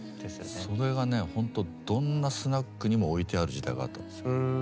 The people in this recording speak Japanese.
それがほんとどんなスナックにも置いてある時代があったんですよ。